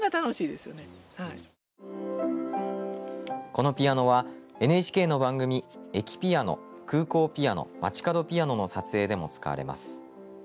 このピアノは、ＮＨＫの番組駅ピアノ・空港ピアノ・街角ピアノの撮影でも使われます。